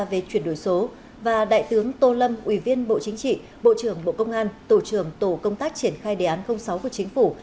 về chuyển đổi số và đại tướng tô lâm ủy viên bộ chính trị bộ trưởng bộ công an tổ trưởng tổ công tác triển khai đề án sáu của chính phủ